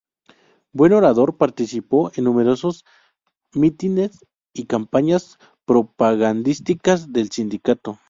Buen orador, participó en numerosos mítines y campañas propagandísticas del sindicato.